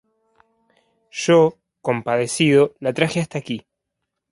yo, compadecido, la traje hasta aquí.